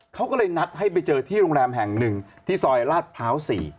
เขาก็เลยนัดให้ไปเจอที่โรงแรมแห่งหนึ่งที่ซอยลาดพร้าว๔